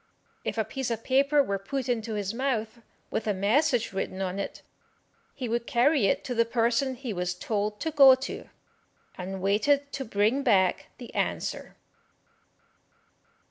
If a piece of paper were put into his mouth, with a message written on it, he would carry it to the person he was told to go to, and waited to bring back the answer.